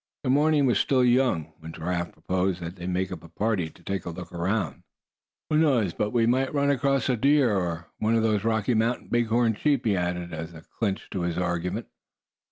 The morning was still young when Giraffe proposed that they make up a party, to take a look around. "Who knows but what we might run across a deer; or one of those Rocky Mountain big horn sheep?" he added, as a clincher to his argument.